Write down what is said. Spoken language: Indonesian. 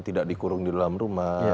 tidak dikurung di dalam rumah